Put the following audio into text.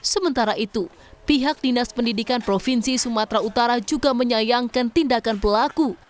sementara itu pihak dinas pendidikan provinsi sumatera utara juga menyayangkan tindakan pelaku